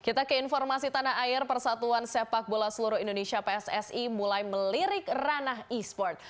kita ke informasi tanah air persatuan sepak bola seluruh indonesia pssi mulai melirik ranah e sport